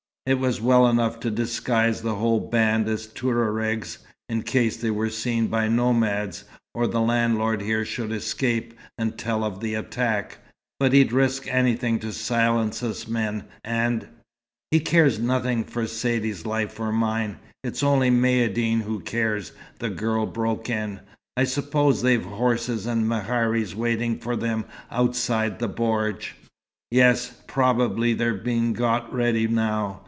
It was well enough to disguise the whole band as Touaregs, in case they were seen by nomads, or the landlord here should escape, and tell of the attack. But he'd risk anything to silence us men, and " "He cares nothing for Saidee's life or mine. It's only Maïeddine who cares," the girl broke in. "I suppose they've horses and meharis waiting for them outside the bordj?" "Yes. Probably they're being got ready now.